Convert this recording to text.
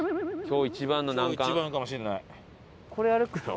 今日一番かもしれない。